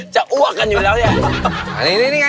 อ้วกกันอยู่แล้วเนี่ย